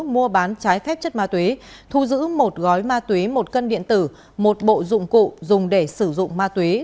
mua bán trái phép chất ma túy thu giữ một gói ma túy một cân điện tử một bộ dụng cụ dùng để sử dụng ma túy